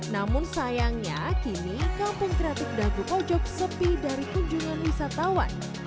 namun sayangnya kini kampung kreatif dago pojok sepi dari kunjungan wisatawan sejak pandemi covid sembilan belas pada dua ribu dua puluh lalu